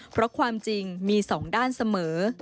เพราะความจริงมี๒ด้านเสมอ